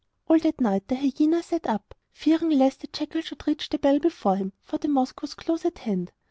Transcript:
All that night the hyena sat up, fearing lest the jackal should reach the bell before him, for the mosque was close at hand.